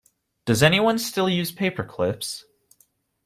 Does anyone still use paper clips?